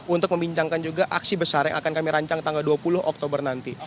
untuk membincangkan juga aksi besar yang akan kami rancang tanggal dua puluh oktober nanti